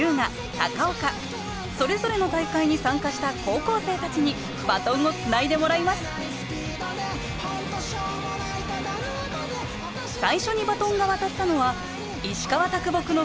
高岡それぞれの大会に参加した高校生たちにバトンをつないでもらいます最初にバトンが渡ったのは石川木のふるさと